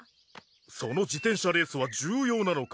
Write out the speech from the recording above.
その自転車レースは重要なのか？